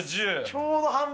ちょうど半分。